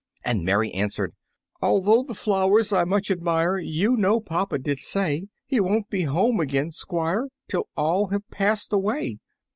And Mary answered, "Although the flowers I much admire, You know papa did say He won't be home again, Squire, Till all have passed away."